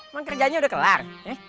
emang kerjanya udah kelar